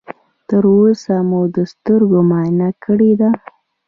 تر اوسه مو د سترګو معاینه کړې ده؟